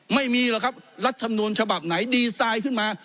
ไม่มีหรอกครับรัฐธรรมนูญฉบับไหนดีไซน์ขึ้นมา